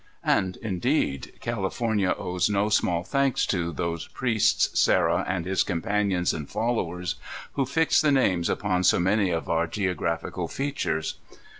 (And, indeed, California owes no small thanks to those priests, Serra and his companions and followers, who fixed the names upon so many of our geographical features.